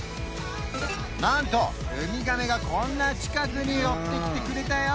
なんとウミガメがこんな近くに寄ってきてくれたよ